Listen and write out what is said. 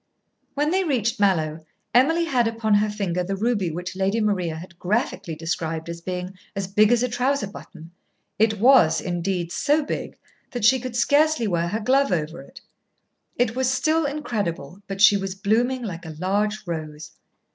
When they reached Mallowe, Emily had upon her finger the ruby which Lady Maria had graphically described as being "as big as a trouser button." It was, indeed, so big that she could scarcely wear her glove over it. She was still incredible, but she was blooming like a large rose.